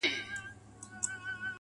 گراني چي ستا سره خبـري كوم